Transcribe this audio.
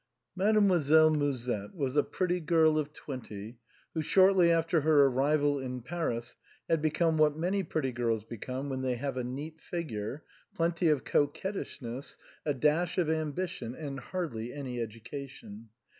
Mademoiselle Musette was a pretty girl of twenty who shortly after her arrival in Paris had become what many pretty girls become when they have a neat figure, plenty of coquettishness, a dash of ambition and hardly any education.